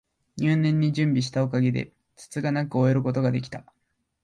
入念に準備したおかげで、つつがなく終えることが出来た